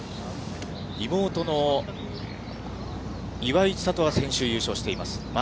妹の岩井千怜は先週優勝しています。